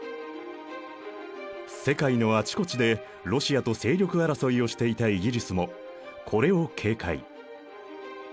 世界のあちこちでロシアと勢力争いをしていたイギリスもこれを警戒。